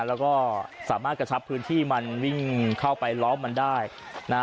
แล้วก็สามารถกระชับพื้นที่มันวิ่งเข้าไปล้อมมันได้นะฮะ